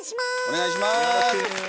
お願いします。